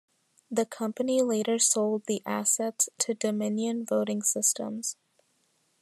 The company later sold the assets to Dominion Voting Systems.